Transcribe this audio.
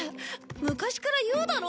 昔から言うだろ？